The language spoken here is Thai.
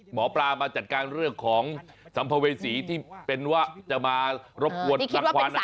หมอปลามาจัดการเรื่องของสัมภเวษีที่เป็นว่าจะมารบกวนรังควัน